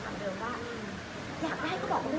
จุดโครงการของแพทย์มันมีความสุขอยู่แล้ว